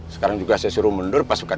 sekarang juga saya suruh mundur pasukan